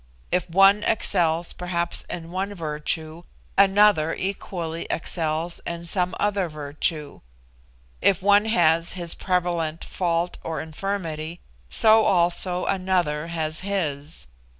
If one excels, perhaps in one virtue, another equally excels in some other virtue; If one has his prevalent fault or infirmity, so also another has his.